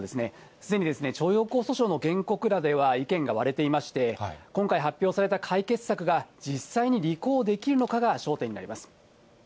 すでに徴用工訴訟の原告らでは意見が割れていまして、今回発表された解決策が、実際に履行できるのかが焦点になります。